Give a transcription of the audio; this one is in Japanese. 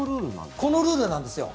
このルールなんですよ。